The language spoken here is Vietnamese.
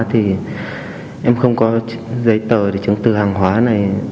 thì em không có giấy tờ để chứng từ hàng hóa này